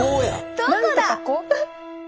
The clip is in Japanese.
どこだ？